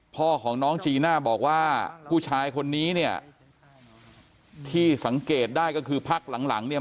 พ่อของน้องจีน่าบอกว่าผู้ชายคนนี้เนี่ยที่สังเกตได้ก็คือพักหลังหลังเนี่ย